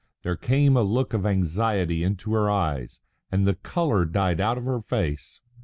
There came a look of anxiety into her eyes, and the colour died out of her face.